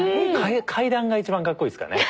階段が一番かっこいいですからね。